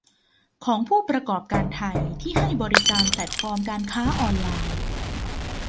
ของผู้ประกอบการไทยที่ให้บริการแพลตฟอร์มการค้าออนไลน์